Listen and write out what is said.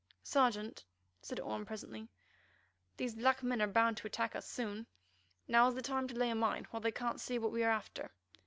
"Sergeant," said Orme presently, "these black men are bound to attack us soon. Now is the time to lay a mine while they can't see what we are after."